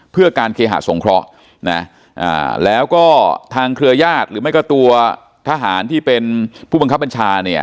เพื่อการเคหะสงเคราะห์นะแล้วก็ทางเครือญาติหรือไม่ก็ตัวทหารที่เป็นผู้บังคับบัญชาเนี่ย